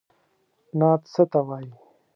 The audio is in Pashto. نعت څه ته وايي.